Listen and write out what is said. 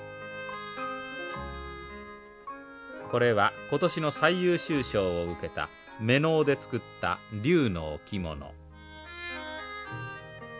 これは今年の最優秀賞を受けためのうで作った「竜」の置物。